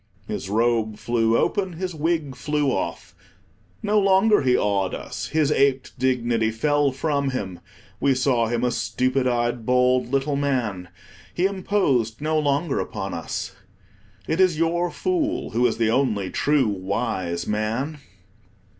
His robe flew open, his wig flew off. No longer he awed us. His aped dignity fell from him; we saw him a stupid eyed, bald little man; he imposed no longer upon us. It is your fool who is the only true wise man.